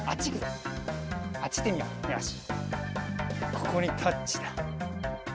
ここにタッチだ。